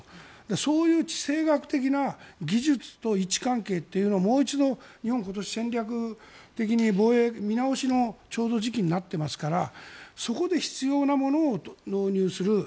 そういう地政学的な技術と位置関係というのをもう一度日本は今年、戦略的に防衛見直しの時期になっていますからそこで必要なものを導入する。